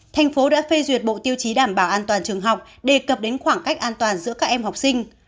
thành phố đã phê duyệt bộ tiêu chí đảm bảo an toàn trường học đề cập đến khoảng cách an toàn giữa các em học sinh